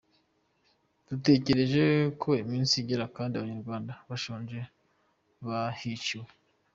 Dutegereje ko iminsi igera kandi Abanyarwanda bashonje bahishiwe.